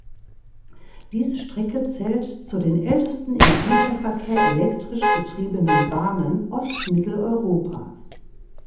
Diese Strecke zählt zu den ältesten im Güterverkehr elektrisch betriebenen Bahnen Ostmitteleuropas.